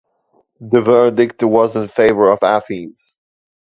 The verdict was in favor of Athens.